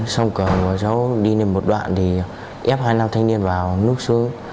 xong cường bỏ cháu đi lên một đoạn thì ép hai nam thanh niên vào núp xuống